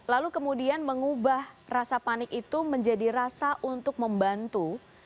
lalu kemudian mengubah rasa panik itu menjadi rasa untuk membantu